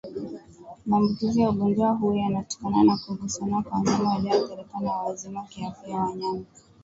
Maambukizi ya ugonjwa huu yanatokana na kugusana kwa wanyama walioathirika na wazima kiafya Wanyama